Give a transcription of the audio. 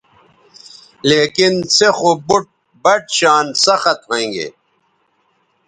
لیکن سے خو بُٹ بَٹ شان سخت ھوینگے